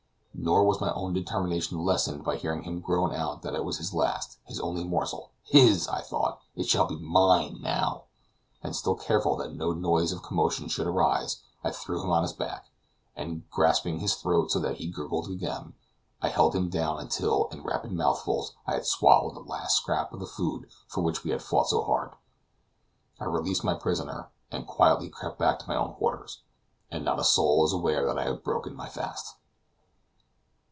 Nor was my own determination lessened by hearing him groan out that it was his last, his only morsel. "His!" I thought; "it shall be mine now!" And still careful that no noise of commotion should arise, I threw him on his back, and grasping his throat so that he gurgled again, I held him down until, in rapid mouthfuls, I had swallowed the last scrap of the food for which we had fought so hard. I released my prisoner, and quietly crept back to my own quarters. And not a soul is aware that I have broken my fast!